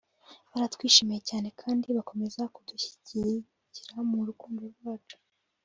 Baratwishimiye cyane kandi bakomeza kudushyigikira mu rukundo rwacu